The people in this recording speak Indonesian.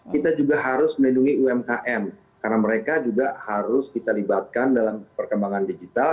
kita juga harus melindungi umkm karena mereka juga harus kita libatkan dalam perkembangan digital